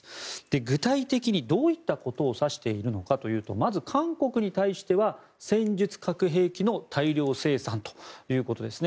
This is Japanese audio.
具体的にどういったことを指しているのかというとまず、韓国に対しては戦術核兵器の大量生産ということですね。